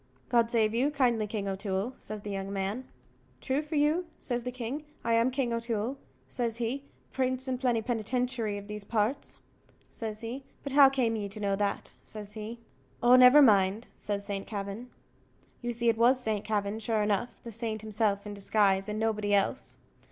"God save you kindly, King O'Toole," says the young man. "True for you," says the king. "I am King O'Toole," says he, "prince and plennypennytinchery of these parts," says he; "but how came ye to know that?" says he. "Oh, never mind," says St. Kavin. You see it was Saint Kavin, sure enough the saint himself in disguise, and nobody else.